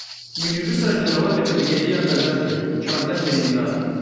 Mînîbusa ji dawetê vedigeriya qeza kir çardeh birîndar.